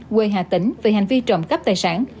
quê hà tĩnh về hành vi trộm cắp tài sản